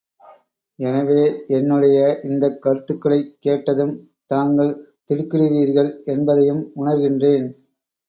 எனவே, என்னுடைய இந்தக் கருத்துக்களைக் கேட்டதும் தாங்கள் திடுக்கிடுவீர்கள் என்பதையும் உணர்கின்றேன்.